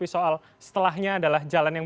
soal setelahnya adalah jalan yang